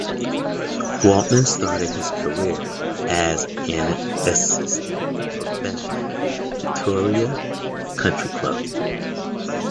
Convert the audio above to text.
Waltman started his career as an assistant professional Pretoria Country Club.